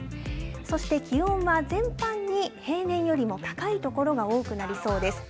そして気温は全般に平年よりも高い所が多くなりそうです。